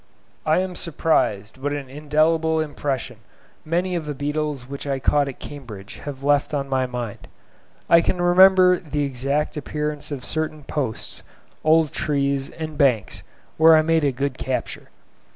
I am surprised what an indelible impression many of the beetles which I caught at Cambridge have left on my mind. I can remember the exact appearance of certain posts, old trees and banks where I made a good capture.